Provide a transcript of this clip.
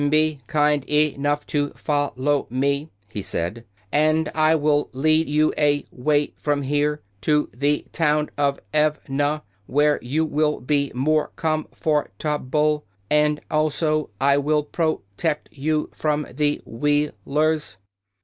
"Be kind e nough to fol low me," he said, "and I will lead you a way from here to the town of Ev na, where you will be more com for ta ble, and al so I will pro tect you from the Wheel ers."